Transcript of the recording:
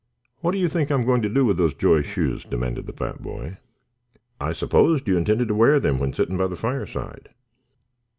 "What do you think I'm going to do with those joy shoes?" demanded the fat boy. "I supposed you intended to wear them when sitting by the fireside."